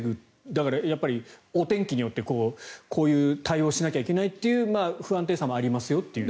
だからやっぱりお天気によってこういう対応しなきゃいけないという不安定さもありますよという。